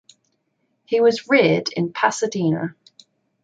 He was reared in Pasadena.